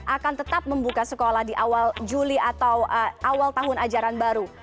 akan tetap membuka sekolah di awal juli atau awal tahun ajaran baru